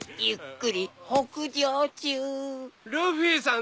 ルフィさん。